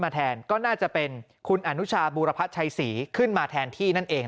แทนก็น่าจะเป็นคุณอนุชาบูรพัชชัยศรีขึ้นมาแทนที่นั่นเอง